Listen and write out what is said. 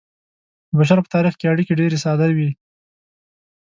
د بشر په تاریخ کې اړیکې ډیرې ساده وې.